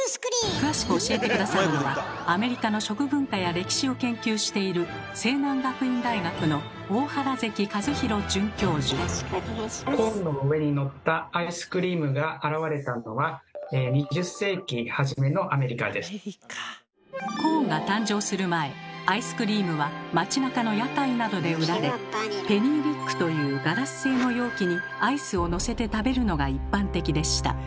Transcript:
詳しく教えて下さるのはアメリカの食文化や歴史を研究しているコーンの上にのったアイスクリームが現れたのはコーンが誕生する前アイスクリームは街なかの屋台などで売られ「ペニーリック」というガラス製の容器にアイスをのせて食べるのが一般的でした。